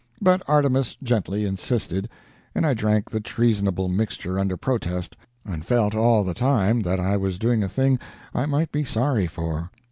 But Artemus gently insisted, and I drank the treasonable mixture under protest, and felt all the time that I was doing a thing I might be sorry for.